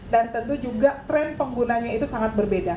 dan tentu juga tren penggunanya itu sangat berbeda